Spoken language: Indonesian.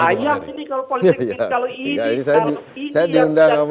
sayang ini kalau politik ini kalau ini kalau ini